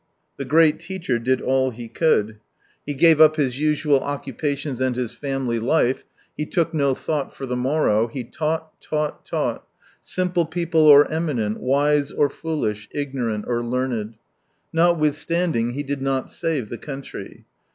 The great teacher did all he could. He gave 57 up his usual occupations and his family life, he took no thought for the morrow, he taught, taught, taught — simple people or eminent, wise or foolish, ignorant or learned. Notwithstanding, he did not save the country.